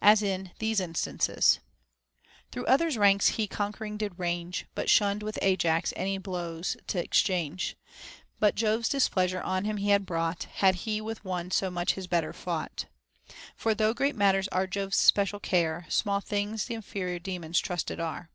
As in these in stances: — Through others' ranks he conquering did range, But shunned with Ajax any blows t' exchange ; But Jove's displeasure on him he had brought, Had he with one so much his better fought.* For though great matters are Jove's special care, Small things t' inferior daemons trusted are.